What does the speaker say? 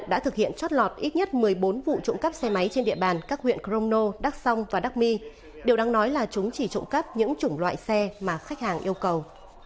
đã thực hiện trót lọt ít nhất một mươi bốn vụ trụng cấp xe máy trên địa bàn các huyện crono đắc sông và đắc my điều đang nói là chúng chỉ trụng cấp những chủng loại xe mà khách hàng yêu cầu